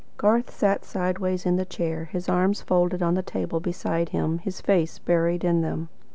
Garth sat sideways in the chair, his arms folded on the table beside him, his face buried in them.